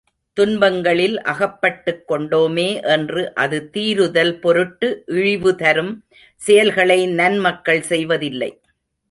துன்பங்களில் அகப்பட்டுக்கொண்டோமே என்று அது தீருதல் பொருட்டு இழிவுதரும் செயல்களை நன் மக்கள் செய்வதில்லை.